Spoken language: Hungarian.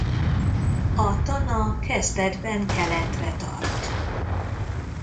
A Tana kezdetben keletre tart.